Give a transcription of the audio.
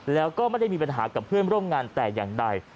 แล้วก็ไม่ได้มีปัญหากับเพื่อนร่วมงานแต่อย่างใด